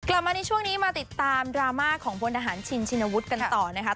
กลับมาในช่วงนี้มาติดตามดราม่าของพลทหารชินชินวุฒิกันต่อนะคะ